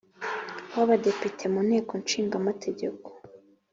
w Abadepite mu Nteko Ishinga Amategeko.